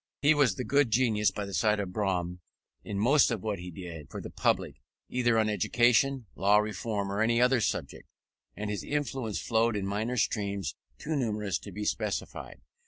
He was the good genius by the side of Brougham in most of what he did for the public, either on education, law reform, or any other subject. And his influence flowed in minor streams too numerous to be specified.